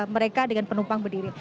mereka dengan penumpang berdiri